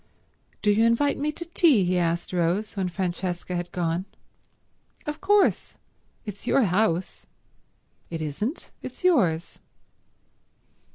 "Do you invite me to tea?" he asked Rose, when Francesca had gone. "Of course. It's your house." "It isn't. It's yours."